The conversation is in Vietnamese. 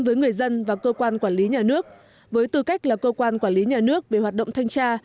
với người dân và cơ quan quản lý nhà nước với tư cách là cơ quan quản lý nhà nước về hoạt động thanh tra